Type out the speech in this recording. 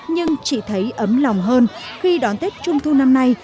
nhưng chị thấy ấm lòng hơn khi đón tết trung thu năm nay